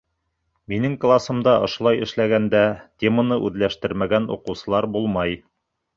Минең класымда ошолай эшләгәндә, теманы үҙләштермәгән уҡыусылар булмай.